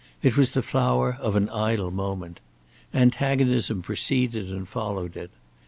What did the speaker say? It was the flower of an idle moment. Antagonism preceded and followed it.